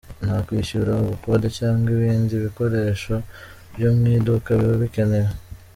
Nta kwishyura ubukode cyangwa ibindi bikoresho byo mw'iduka biba bikenewe.